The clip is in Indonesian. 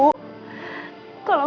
kalau gak khawatirkan